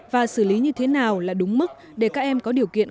và xử lý như thế nào là đúng mức để các em có điều kiện